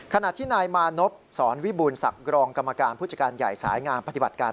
ขณะที่นายมานพศรวิบูรศักดิ์รองกรรมการผู้จัดการใหญ่สายงามปฏิบัติการ